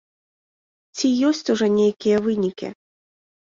Ці ёсць ужо нейкія вынікі?